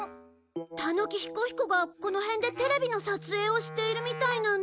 田之木彦彦がこの辺でテレビの撮影をしているみたいなんだけど。